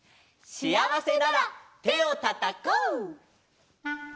「しあわせならてをたたこう」。